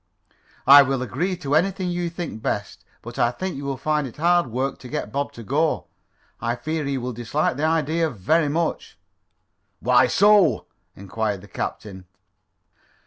"I will agree to anything you think best. But I think you will find it hard work to get Bob to go. I fear he will dislike the idea very much." "Why so?" inquired the captain.